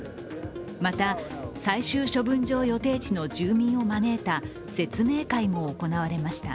また最終処分場の予定地の住民を招いた説明会も行われました。